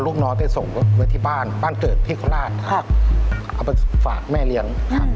แล้วแต่ที่ดูอันนั้นเอาจริง